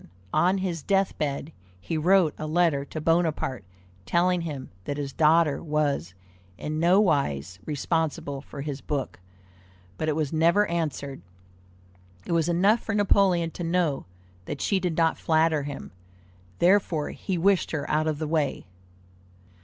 On his death bed he wrote a letter to Bonaparte telling him that his daughter was in nowise responsible for his book, but it was never answered. It was enough for Napoleon to know that she did not flatter him; therefore he wished her out of the way.